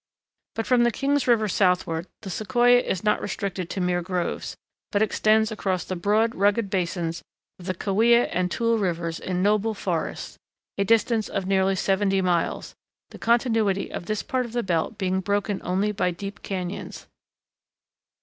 But from King's River southward the Sequoia is not restricted to mere groves, but extends across the broad rugged basins of the Kaweah and Tule rivers in noble forests, a distance of nearly seventy miles, the continuity of this part of the belt being broken only by deep cañons.